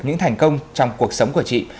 những thành công trong cuộc sống của chị